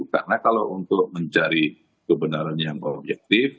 karena kalau untuk mencari kebenaran yang objektif